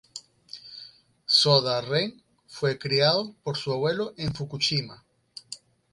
Soda Ren fue criado por su abuelo en Fukushima.